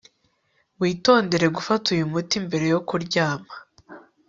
Witondere gufata uyu muti mbere yo kuryama